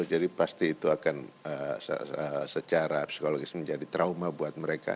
jadi pasti itu akan secara psikologis menjadi trauma buat mereka